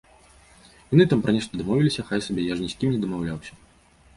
Яны там пра нешта дамовіліся, хай сабе, я ж ні з кім не дамаўляўся.